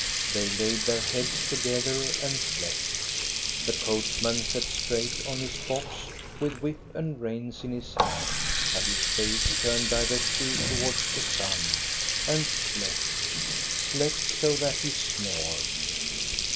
They laid their heads together and slept. The coachman sat straight on his box, with whip and reins in his hand and his face turned directly towards the sun, and slept, slept so that he snored.